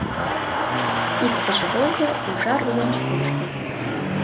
Иктыже возо ужар вуян шудышко